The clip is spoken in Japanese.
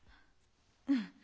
うん。